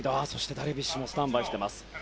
ダルビッシュもスタンバイしています。